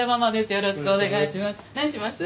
よろしくお願いします。